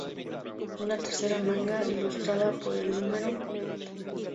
Una tercera manga, ilustrada por el No.